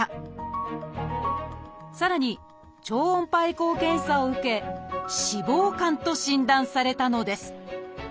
さらに超音波エコー検査を受け「脂肪肝」と診断されたのです。